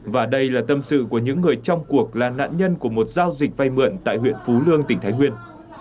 và đây là tâm sự của những người trong cuộc là nạn nhân của một giao dịch vay mượn tại huyện phú lương tỉnh thái nguyên